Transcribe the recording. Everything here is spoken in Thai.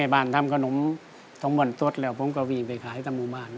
การทำกระนมทรวดแล้วผมก็วิ่งไปขายทั้งหมู่บ้าน